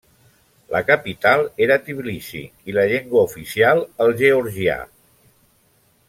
La capital era Tbilisi i la llengua oficial el georgià.